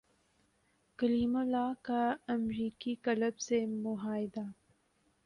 کلیم اللہ کا امریکی کلب سے معاہدہ